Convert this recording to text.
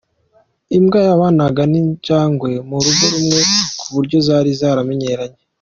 Imbwa yabanaga n’injangwe mu rugo rumwe ku buryo zari zaramenyeranye.